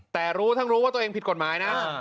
แต่รู้ทั้งรู้ว่าตัวเองผิดกฎหมายนะ